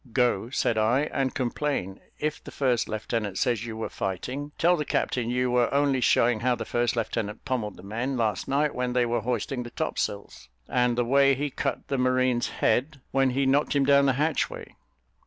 "Go," said I, "and complain. If the first lieutenant says you were fighting, tell the captain you were only showing how the first lieutenant pummelled the men last night when they were hoisting the topsails, and the way he cut the marine's head, when he knocked him down the hatchway."